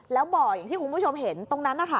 แล้วบ่ออย่างที่คุณผู้ชมเห็นตรงนั้นนะคะ